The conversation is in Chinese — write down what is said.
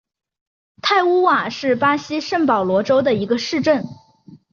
泰乌瓦是巴西圣保罗州的一个市镇。